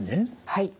はい。